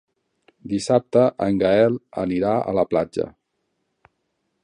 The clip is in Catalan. Dissabte en Gaël anirà a la platja.